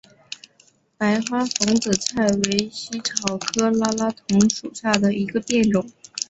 白花蓬子菜为茜草科拉拉藤属下的一个变种。